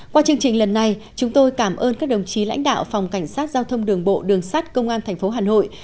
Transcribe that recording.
qua chương trình lần này chúng tôi cảm ơn các đồng chí lãnh đạo phòng cảnh sát giao thông đường bộ đường sát công an tp hà nội